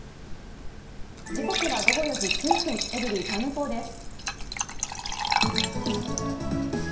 時刻は午後４時９分、エブリィタイム４です。